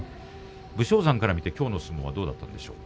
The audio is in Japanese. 武将山から見てきょうの相撲はどうでしたか。